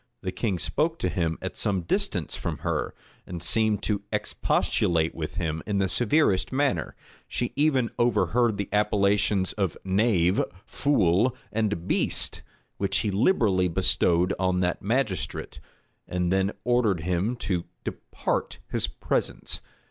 The king spoke to him at some distance from her; and seemed to expostulate with him in the severest manner: she even overheard the appellations of "knave," "fool," and "beast," which he liberally bestowed upon that magistrate; and then ordered him to depart his presence.